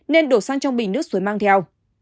nên đổ xăng trong bình nước xuống mang theo